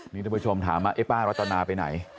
นี่ท่านผู้ชมถามมาป้ารัตนาไปไหน